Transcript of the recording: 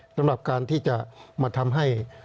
สำหรับการที่จะมาทำให้